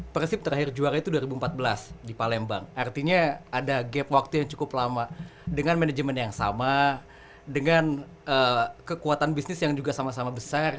persib terakhir juara itu dua ribu empat belas di palembang artinya ada gap waktu yang cukup lama dengan manajemen yang sama dengan kekuatan bisnis yang juga sama sama besar